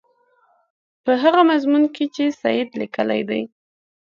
په هغه مضمون کې چې سید لیکلی دی.